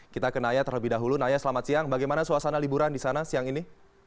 kita ke naya terlebih dahulu naya selamat siang bagaimana suasana liburan di sana siang ini